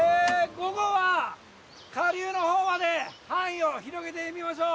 午後は下流のほうまで範囲を広げてみましょう。